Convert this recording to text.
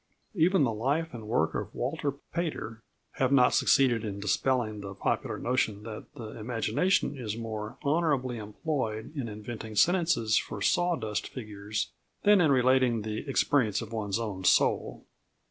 Even the life and work of Walter Pater have not succeeded in dispelling the popular notion that the imagination is more honourably employed in inventing sentences for sawdust figures than in relating the experiences of one's own soul.